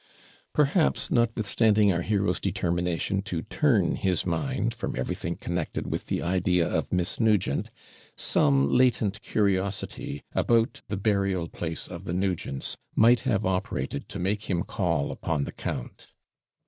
Perhaps, notwithstanding our hero's determination to turn his mind from everything connected with the idea of Miss Nugent, some latent curiosity about the burial place of the Nugents might have operated to make him call upon the count.